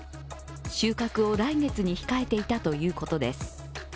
収穫を来月に控えていたということです。